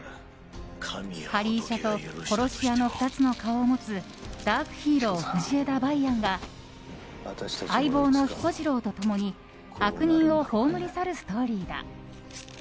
はり医者と殺し屋の２つの顔を持つダークヒーロー、藤枝梅安が相棒の彦次郎と共に悪人を葬り去るストーリーだ。